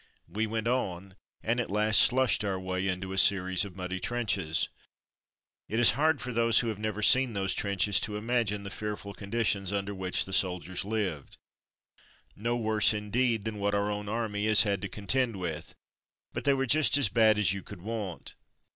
We went on, and at last slushed our way into a series of muddy trenches. It is hard for those who have never seen those trenches to imagine the fearful conditions under which the soldiers lived; no worse, indeed, than what our own army has had to con tend with, but they were just as bad as you could want.